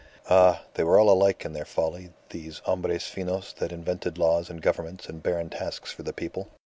Ah! They were all alike in their folly, these hombres finos that invented laws and governments and barren tasks for the people.